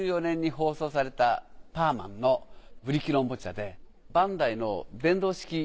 １９６４年に放送された『パーマン』のブリキのおもちゃでバンダイの電動式。